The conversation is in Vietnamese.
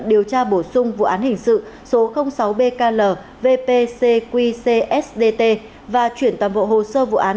điều tra bổ sung vụ án hình sự số sáu bklcqcsdt và chuyển toàn bộ hồ sơ vụ án